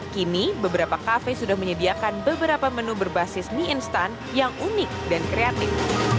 kini beberapa kafe sudah menyediakan beberapa menu berbasis mie instan yang unik dan kreatif